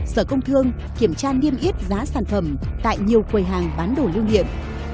sở công thương kiểm tra niêm yếp giá sản phẩm tại nhiều quầy hàng bán đồ lưu điệm